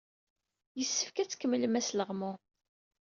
Yessefk ad tkemmlem asleɣmu.